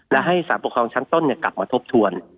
และให้สารปกครองชั้นต้นกลับมาทบทวน